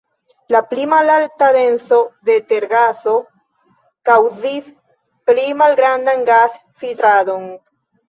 La pli malalta denso de tergaso kaŭzis pli malgrandan gas-filtradon.